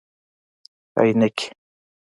👓 عینکي